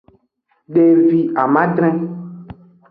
Devi amadre.